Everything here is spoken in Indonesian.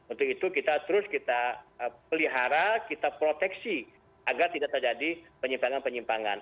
untuk itu kita terus kita pelihara kita proteksi agar tidak terjadi penyimpangan penyimpangan